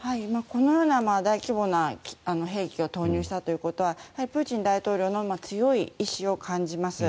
このような大規模な兵器を投入したということはプーチン大統領の強い意志を感じます。